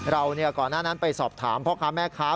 ก่อนหน้านั้นไปสอบถามพ่อค้าแม่ค้า